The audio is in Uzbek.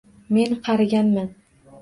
Men qariganman